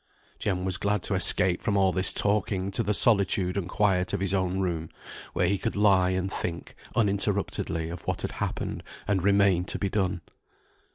Jem was glad to escape from all this talking to the solitude and quiet of his own room, where he could lie and think uninterruptedly of what had happened and remained to be done.